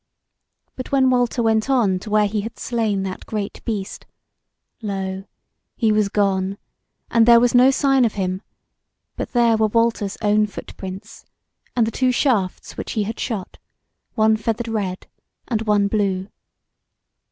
But when Walter went on to where he had slain that great beast, lo! he was gone, and there was no sign of him; but there were Walter's own footprints, and the two shafts which he had shot, one feathered red, and one blue.